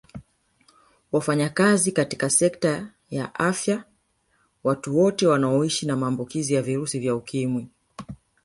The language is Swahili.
Wafanyakazi katika sekta ya afya Watu wote wanaoishi na maambukizi ya virusi vya Ukimwi